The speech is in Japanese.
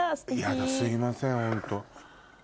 ヤダすいませんホント。